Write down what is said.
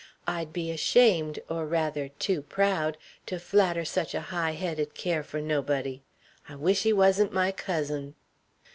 I'd be ashamed, or, rather, too proud, to flatter such a high headed care for nobody. I wish he wasn't my cousin!"